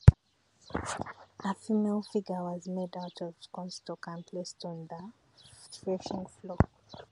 A female figure was made out of cornstalks and placed on the threshing floor.